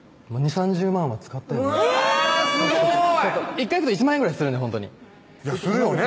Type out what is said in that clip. １回行くと１万円ぐらいするんでほんとにするよね